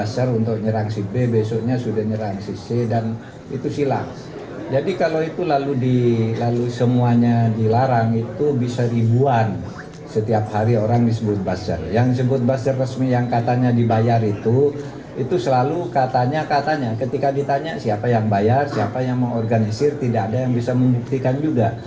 seorang yang disebut bazar yang disebut bazar resmi yang katanya dibayar itu itu selalu katanya katanya ketika ditanya siapa yang bayar siapa yang mengorganisir tidak ada yang bisa membuktikan juga